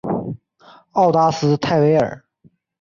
奥达斯泰韦尔。